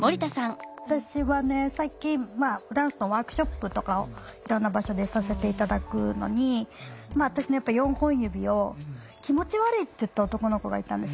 私はね最近ダンスのワークショップとかをいろんな場所でさせて頂くのに私の４本指を気持ち悪いって言った男の子がいたんですよ。